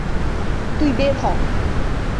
তুই বের হ!